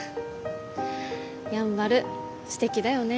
やんばるすてきだよね。